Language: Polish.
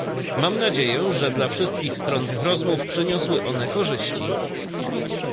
Mam nadzieję, że dla wszystkich stron tych rozmów przyniosły one korzyści